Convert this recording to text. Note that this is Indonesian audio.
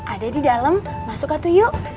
ada di dalam masuk katu yuk